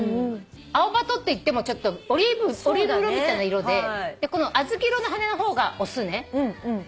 アオバトって言ってもオリーブ色みたいな色でこのあずき色の羽の方が雄ね。